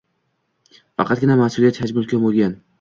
faqatgina mas’uliyat hajmi ulkan bo‘lgan